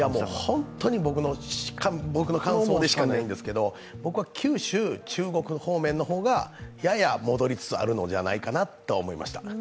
本当に僕の感想でしかないんですけど、僕は九州、中国方面の方がやや戻りつつあるんじゃないかと思いました。